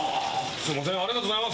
すみませんありがとうございます。